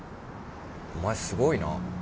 お前すごいな。